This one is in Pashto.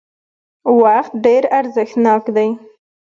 وخت ډېر ارزښتناک دی